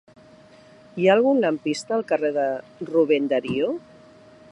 Hi ha algun lampista al carrer de Rubén Darío?